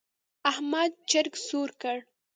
احمد چرګ سور کړ.